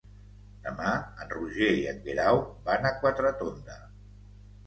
Demà en Roger i en Guerau van a Quatretonda.